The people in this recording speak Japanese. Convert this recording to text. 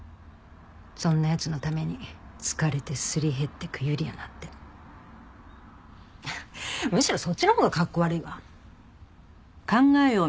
そんな奴のために疲れてすり減ってくゆりあなんて。むしろそっちのほうがカッコ悪いわ。